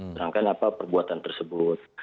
terangkan apa perbuatan tersebut